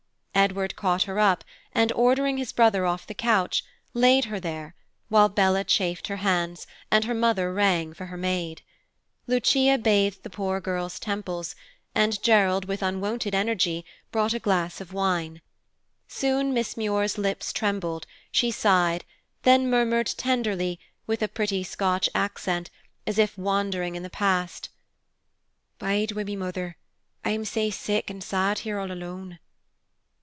Edward caught her up, and, ordering his brother off the couch, laid her there, while Bella chafed her hands, and her mother rang for her maid. Lucia bathed the poor girl's temples, and Gerald, with unwonted energy, brought a glass of wine. Soon Miss Muir's lips trembled, she sighed, then murmured, tenderly, with a pretty Scotch accent, as if wandering in the past, "Bide wi' me, Mither, I'm sae sick an sad here all alone."